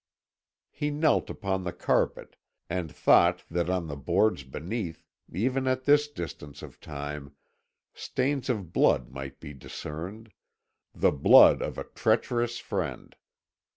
He knelt upon the carpet, and thought that on the boards beneath, even at this distance of time, stains of blood might be discerned, the blood of a treacherous friend.